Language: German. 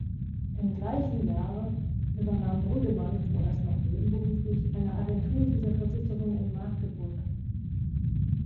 Im gleichen Jahre übernahm Brüggemann, vorerst noch nebenberuflich, eine Agentur dieser Versicherung in Magdeburg.